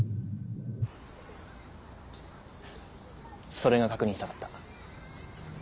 それが確認したかった。